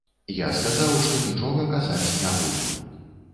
Я сказаў, што нічога казаць не буду.